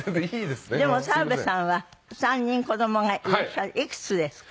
でも澤部さんは３人子供がいらっしゃるいくつですか？